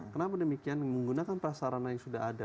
kenapa demikian menggunakan prasarana yang sudah ada